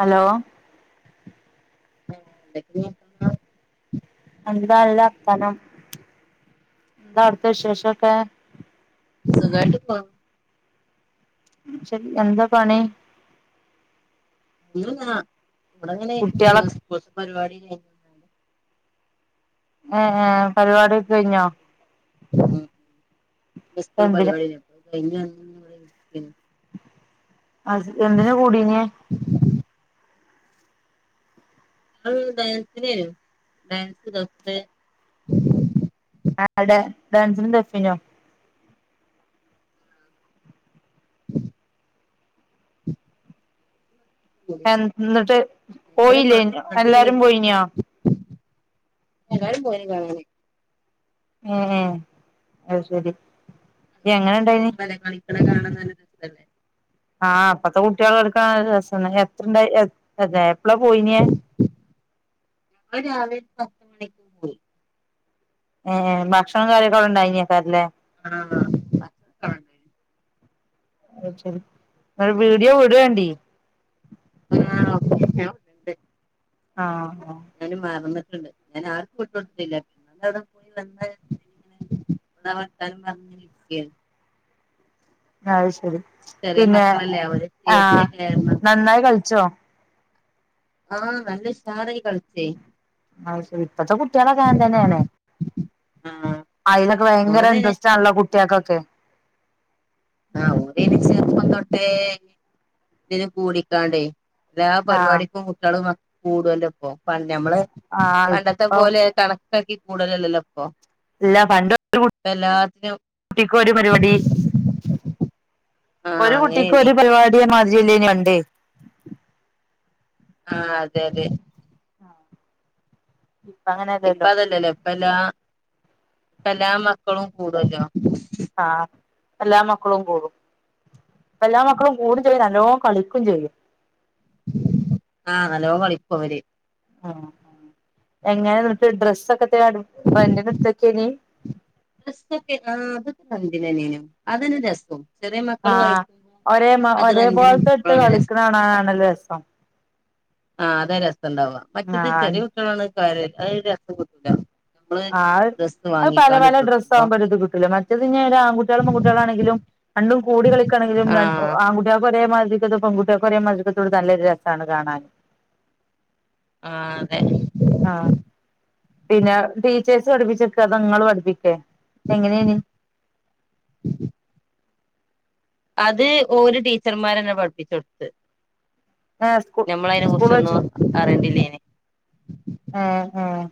Hello എന്തൊക്കെ എന്താല്ല അർത്താനം എന്താ അവ്ത്ത വിശേഷം ഒക്കെ സുഖായ്ട്ട് പോ ശെരി എന്താ പണി ഒന്നുല്ലാ ഇവടെങ്ങനെ കുട്ടികളെ ഇരിക്കേനി സ്കൂൾത്തെ പരിപാടി കഴിഞ് ഏഹ് പരിപാടിക്കെ കഴിഞ്ഞോ സ്കൂൾ എന്തിന് പരിപാട്യയ്ഞ്ഞു അപ്പ അത് കഴിഞ് വന്ന് ങ്ങനെ ഇവടെ ഇരിക്കെയ്ഞ്ഞു അഹ് എന്തിനാ കൂട്ടീനേ [inaudible] അവള് ഡാൻസിനേനു ഡാൻസ് ദഫ് ആഹ് ഡേ ഡാൻസിനും ദേഫിനോ കൂടീനു. അൻ ന്നട്ട് ഭയങ്കര മ പോയില്ലേനോ മടിയേനി എല്ലാരും പോയിനോ എല്ലാരും പോയിനിം കാണാന് ആഹ് അഅ്ശരി കളിക്ക്ണ കാണാൻ നല്ല രസല്ലേ ആഹ് പ്പത്തെ കുട്ട്യാള് കളിക്ക്ണ കാണ് ണ രസാണ് എത്രണ്ടാ എപ്പളാ പോയിനേ ഞങ്ങള് രാവിലേ ഏഹ് ഭക്ഷണം കാര്യക്കെ അവ്ടെണ്ടായിനേക്കാരല്ലേ ആഹ് ഭക്ഷണം ഒക്കെ അവിടെണ്ടായിനു. ന്നാ വീഡിയോ വിടാേണ്ടി ആഹ് ഇവിടെണ്ട്. ആഹ്ഹാ ഞാന് മറന്നിട്ട്ണ്ട് ഞാന് ആർക്കും വിട്ടൊട്ത്തീല്ല ന്നാലെ അവ്ടെ പോയി വന്നെ ന്നെ വർത്താനം പർഞ് ഇരിക്കയ്നു അഅ്ശരി ചെറിയ പിന്നെ മക്കളല്ലേ അവര് സ്റ്റേജില് ആഹ് കയറുന്നതും നന്നായി കൾച്ചോ ഓഹ് നല്ല ഉഷാറായി കൾച്ചേ ഇപ്പത്തെ കുട്ട്യാളൊക്ക അങ്ങൻതന്നേണ് ആഹ് അയ്ലൊക്കെ ഭയങ്കര ഓരന് ഇൻട്രസ്റ്റ് ആണല്ലോ കുട്ട്യാൾക്കൊക്കെ ആഹ് ഓലയ്ന് ചെറുപ്പം തൊട്ടേ ഇതിന് കൂടിക്കാണ്ടേ എല്ലാ ആഹ് പരിപാടിക്കും കുട്ട്യാളും മക്ക് കൂടോലോ ഇപ്പം പണ്ട് മ്മള് ആഹ് പണ്ടത്തെ ഇപ്പം പോലെ കണക്കാക്കി കൂടലല്ലല്ലോ ഇപ്പൊ ഇല്ല പണ്ട് ഒരു ഇപ്പ എല്ലാത്തിനും കുട്ടിക്ക് ഒരു പര്പാടി ആഹ് ഒരു കുട്ടിക്ക് അങ്ങനെയനി ഒരു പരിപാടി മാതിരിയല്ലേന്യൊ പണ്ട്? ആഹ് അതെ അതെ. ഇപ്പങ്ങനെ ഇപ്പ അതല്ലല്ലോ ഇപ്പ എല്ലാ ഇപ്പ എല്ലാ മക്കളും കൂടെല്ലോ. ആഹ് എല്ലാ മക്കളും കൂടും. ഇപ്പെല്ലാ മക്കളും കൂടും ചെയ്യും നല്ലോം കളിക്കും ചെയ്യും. ആഹ് നല്ലോം കളിക്കും അവര്. ആഹ് ആഹ്. എങ്ങനെന്നട്ട് ഡ്രസ്സൊക്കെ എത്തേ അട് റെൻ്റിന് ഇട്ത്തക്കെനി. ഡ്രസ്സൊക്കെ ആഹ് അതൊക്കെ റെൻ്റിനെന്നേനും. അതന്നെ രസും. ആഹ് ഒരേ മ ഒരേ പോലത്തെ ഇട്ട് റെന്റിനെടുക്കുമ്പളാണ് കളിക്ണ രസം കിട്ടാ കാണാനാണല്ലോ രസം. ആഹ് അതാ രസണ്ടാവാ. മറ്റേത് ആഹ് ചെറിയ കുട്ടികളാണ് കാര്യാ, അത് രസം കിട്ടൂല. നമ്മള് ആഹ്. അഹ്, ഡ്രസ്സ് അത് പല വാങ്ങിക്കാണ്ട് ഇട്ട് പല ഡ്രസ്സ് കൊടുക്കുമ്പോ ആകുമ്പോ ഒരിത് കിട്ടൂലാ. മറ്റേത് പിന്നെ ഒരാൺകുട്ട്യേളും പെൺകുട്ട്യേളും ആണെങ്കിലും രണ്ടും കൂടി കളിക്കാണെങ്കിലും രൺ ആഹ് ആൺകു ട്ട്യേക്ക് ഒരേമാതിര്ക്കത്തും പെൺകുട്ട്യേൾക്ക് ഒരേ മാതിര്ക്കത്തും ഇട്ത്താ നല്ലൊരു രസാണ് കാണാൻ. ആഹ് അതെന്നെ. ആഹ് പിന്നെ ടീച്ചേഴ്സ് പഠിപ്പിച്ചെക്കേ അതോ ഇങ്ങള് പഠിപ്പിക്കേ എങ്ങനേനി. അത് ഓര് ടീച്ചർമാരെന്നേ പഠിപ്പിച്ചു കൊടുത്ത്. ഏഹ് സ്കൂ ഞമ്മളയ്നെ സ്കൂൾ കുറിച്ചൊന്നും വെച്ചിട്ട് അറിയണ്ടില്ലേനി. ആഹ് ആഹ്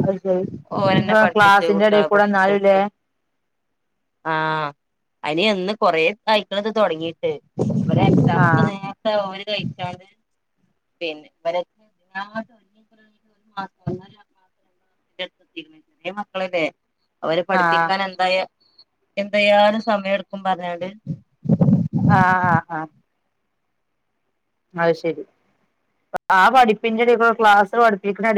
അത് ശരി. ഓരന്നെ [unintelligible] പഠിപ്പിച്ച് ക്ലാസിന്റെ എടേ കുട്ടികളെ കൂടെ ഇന്നാലും ല്ലേ. പഠിപ്പിച്ചെടുത്ത് ആഹ്. അയ്ന് എന്ന് കൊറെ ഇതായ്ക്ണ് ഇത് തൊടങ്ങീട്ട്. ഇവരെ എക്സാം ഒക്കെ ആഹ് നേര് ത്തെ ഓല് കഴിച്ചാണ്ട് [unintelligible] [unintelligible] മാസോ [unintelligible] [unintelligible] ചെറിയമക്കളല്ലേ അവരെ ആഹ് പഠിപ്പിക്കാൻ എന്തായാ എന്തായാലും സമയട്ക്കും പറഞ്ഞാണ്ട് ആഹ് ആഹ് ആഹ്. അത് ശരി. ആ പഠിപ്പിന്റെ എടേ കൂടെ ക്ലാസ് പഠിപ്പിക്ണെ എടേ